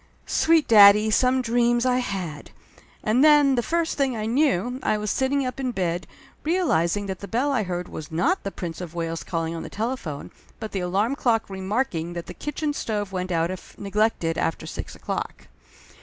Sweet daddy, some dreams, I had ! And then the first thing I knew, I was sitting up in bed, realizing that the bell I heard was not the Prince of Wales calling on the telephone, but the alarm clock remarking that the kitchen stove went out if neglected after six o'clock.